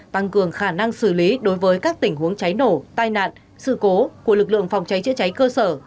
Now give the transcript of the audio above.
tăng cường khả năng xử lý đối với các tình huống cháy nổ tai nạn sự cố của lực lượng phòng cháy chữa cháy cơ sở